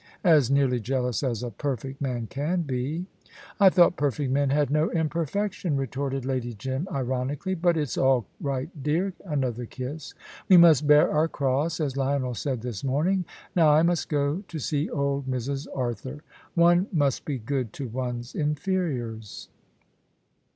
"As nearly jealous as a perfect man can be." "I thought perfect men had no imperfection," retorted Lady Jim, ironically; "but it's all right, dear," another kiss "we must bear our cross, as Lionel said this morning. Now I must go to see old Mrs. Arthur. One must be good to one's inferiors."